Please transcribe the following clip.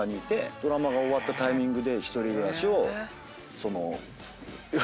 ドラマが終わったタイミングで１人暮らしをその不相応な。